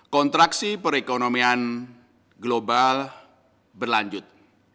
kontraksi perekonomian global berlanjut